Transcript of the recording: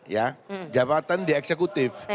ya jabatan di eksekutif